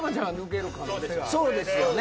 そうですよね。